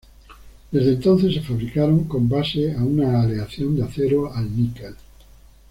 Desde entonces, se fabricaron con base a una aleación de acero al níquel.